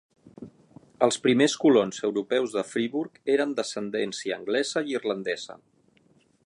Els primers colons europeus de Freeburg eren d'ascendència anglesa i irlandesa.